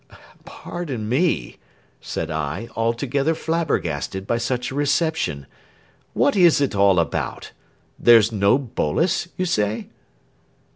"Pardon me!" said I, altogether flabbergasted by such a reception, "what is it all about? There's no Boles, you say?"